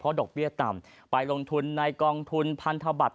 ดอกเบี้ยต่ำไปลงทุนในกองทุนพันธบัตร